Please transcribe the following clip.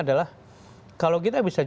adalah kalau kita bisa